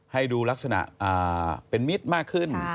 ให้ดูลักษณะเป็นมิตรมากขึ้น